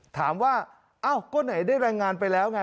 ถามว่าเอ้าก็ไหนได้รายงานไปแล้วไง